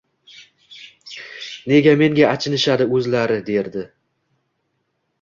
Nega menga achinishadi o‘zlari derdi